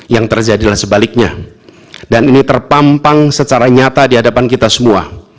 yang terjadilah sebaliknya dan ini terpampang secara nyata di hadapan kita semua